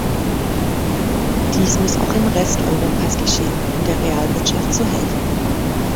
Dies muss auch im Rest Europas geschehen, um der Realwirtschaft zu helfen.